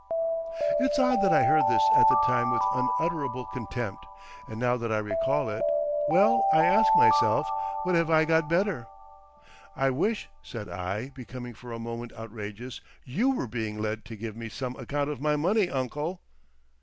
It's odd that I heard this at the time with unutterable contempt, and now that I recall it—well, I ask myself, what have I got better? "I wish," said I, becoming for a moment outrageous, "you were being Led to give me some account of my money, uncle."